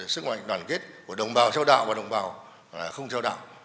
sức mạnh đoàn kết của đồng bào theo đạo và đồng bào là không theo đạo